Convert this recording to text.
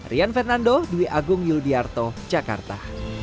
rian fernando dwi agung yuliarto jakarta